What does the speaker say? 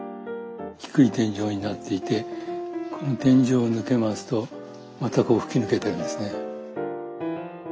低い天井になっていてこの天井を抜けますとまたこう吹き抜けてるんですね。